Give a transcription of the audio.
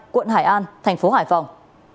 quận hải an tp hải phòng